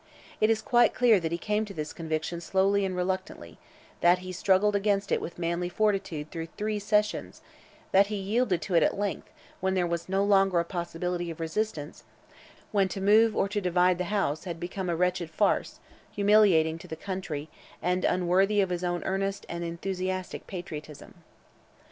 It is quite clear that he came to this conviction slowly and reluctantly; that he struggled against it with manly fortitude through three sessions; that he yielded to it at length, when there was no longer a possibility of resistance,—when to move or to divide the House, had become a wretched farce, humiliating to the country, and unworthy of his own earnest and enthusiastic patriotism.